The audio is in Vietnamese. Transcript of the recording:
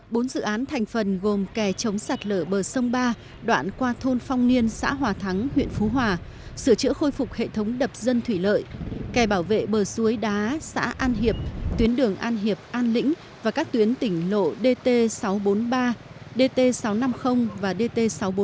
bốn dự án thành phần gồm kè chống sạt lở bờ sông ba đoạn qua thôn phong niên xã hòa thắng huyện phú hòa sửa chữa khôi phục hệ thống đập dân thủy lợi kè bảo vệ bờ suối đá xã an hiệp tuyến đường an hiệp an lĩnh và các tuyến tỉnh lộ dt sáu trăm bốn mươi ba dt sáu trăm năm mươi và dt sáu trăm bốn mươi